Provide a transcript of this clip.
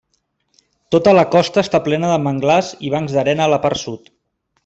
Tota la costa està plena de manglars i bancs d'arena a la part sud.